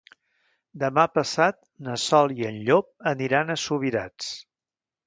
Demà passat na Sol i en Llop aniran a Subirats.